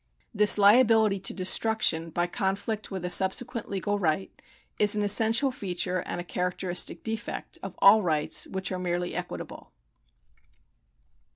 This liability to destruction by conflict with a subsequent legal right is an essential feature and a characteristic defect of all rights which are merely equitable.